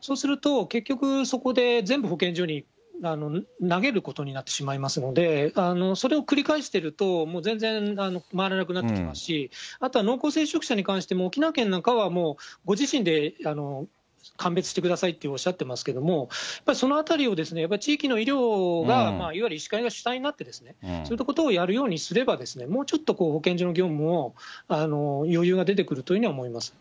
そうすると結局、そこで全部保健所に投げることになってしまいますので、それを繰り返していると、もう全然回らなくなってきますし、あとは濃厚接触者に関しても、沖縄県なんかは、もうご自身で判別してくださいっておっしゃってますけれども、やっぱりそのあたりを、地域の医療が、いわゆる医師会が主体になって、そういったことをやるようにすれば、もうちょっと、保健所の業務も余裕が出てくるというふうには思います。